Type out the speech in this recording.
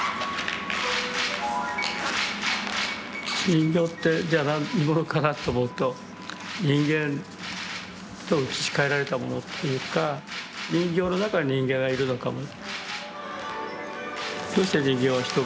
人形ってじゃ何者かなと思うと人間と移しかえられたものというか人形の中に人間がいるのかも。